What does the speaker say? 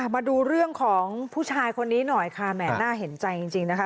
มาดูเรื่องของผู้ชายคนนี้หน่อยค่ะแหมน่าเห็นใจจริงนะคะ